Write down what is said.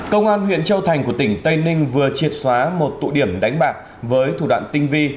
công an huyện châu thành của tỉnh tây ninh vừa triệt xóa một tụ điểm đánh bạc với thủ đoạn tinh vi